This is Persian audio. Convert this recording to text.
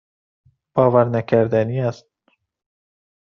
باورنکردنی است.